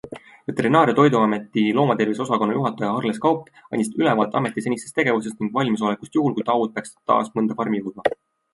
Veterinaar- ja toiduameti loomatervise osakonna juhataja Harles Kaup andis ülevaate ameti senistest tegevustest ning valmisolekust juhul, kui taud peaks taas mõnda farmi jõudma.